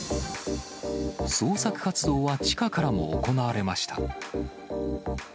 捜索活動は地下からも行われました。